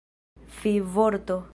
fivorto